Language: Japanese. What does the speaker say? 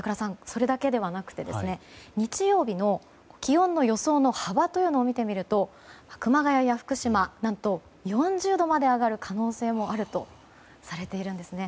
それだけではなくて日曜日の気温の予想の幅を見てみると熊谷、福島は何と４０度まで上がる可能性もあるとされているんですね。